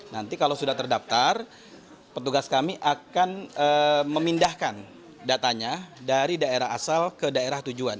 nanti kalau sudah terdaftar petugas kami akan memindahkan datanya dari daerah asal ke daerah tujuan